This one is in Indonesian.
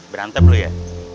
berantem lo ya